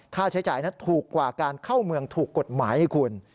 ค่าใช้จ่ายนั้นถูกกว่าการเข้าเมืองถูกกฎหมายให้คุณ